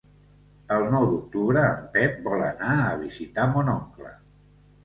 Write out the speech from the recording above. El nou d'octubre en Pep vol anar a visitar mon oncle.